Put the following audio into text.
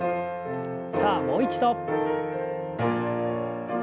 さあもう一度。